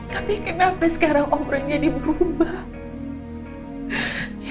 tapi kenapa sekarang om roy jadi berubah